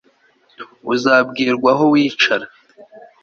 Uzabwirwa aho wicara